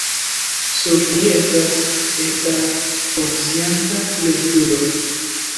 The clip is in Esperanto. Sur ĝi estas eta funkcianta lumturo.